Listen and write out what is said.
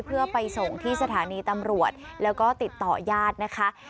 เพื่อไปส่งที่สถานีตำรวจแล้วก็ติดต่อญาตินะคะ